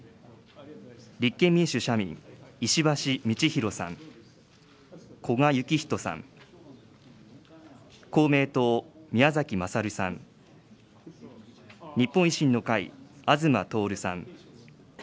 立憲民主・社民、石橋通宏さん、古賀之士さん、公明党、宮崎勝さん、日本維新の会、東徹さん。